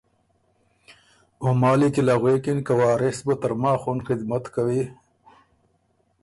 او مالی کی له غوېکِن که وارث بُو ترماخ اُن خدمت کوی،